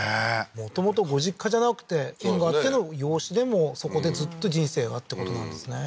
もともとご実家じゃなくて縁があっての養子でもうそこでずっと人生がってことなんですね